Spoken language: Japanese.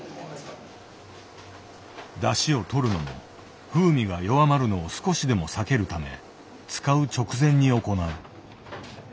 だしをとるのも風味が弱まるのを少しでも避けるため使う直前に行う。